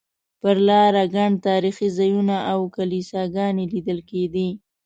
پر لاره ګڼ تاریخي ځایونه او کلیساګانې لیدل کېدې.